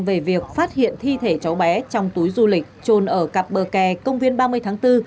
về việc phát hiện thi thể cháu bé trong túi du lịch trồn ở cặp bờ kè công viên ba mươi tháng bốn